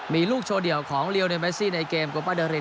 มีลูกโชว์เดี่ยวของเรียวในเมซี่ในเกมโกป้าเดอริน